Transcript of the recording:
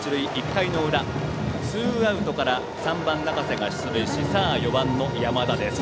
１回の裏ツーアウトから３番、中瀬が出塁しさあ４番、山田です。